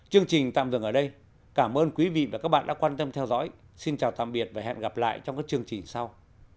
chương trình tạm dừng ở đây cảm ơn quý vị và các bạn đã quan tâm theo dõi xin chào tạm biệt và hẹn gặp lại trong các chương trình sau